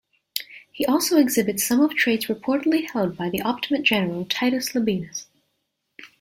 He also exhibits some of traits reportedly held by the Optimate general Titus Labienus.